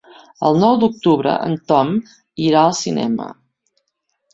El nou d'octubre en Tom irà al cinema.